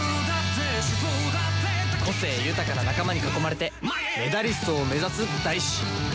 個性豊かな仲間に囲まれてメダリストを目指す大志。